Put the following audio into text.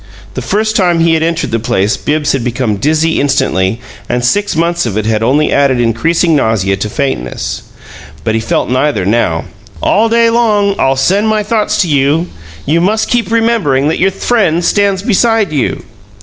The first time he had entered the place Bibbs had become dizzy instantly, and six months of it had only added increasing nausea to faintness. But he felt neither now. "ALL DAY LONG I'LL SEND MY THOUGHTS TO YOU. YOU MUST KEEP REMEMBERING THAT YOUR FRIEND STANDS BESIDE YOU."